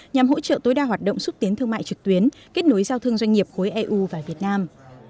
nhằm hỗ trợ tối đa hoạt động xúc tiến thương mại trực tuyến kết nối giao thương doanh nghiệp khối eu và việt nam